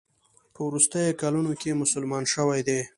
په وروستیو کلونو کې مسلمان شوی دی.